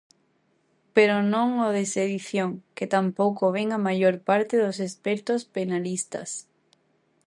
Pero non o de sedición, que tampouco ven a maior parte dos expertos penalistas.